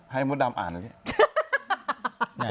ให้มัวดำอ่านกันสิ